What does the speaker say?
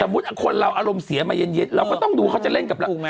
สมมุติคนเราอารมณ์เสียเย์เราก็ต้องดูว่าเขาจะเล่นกับเรา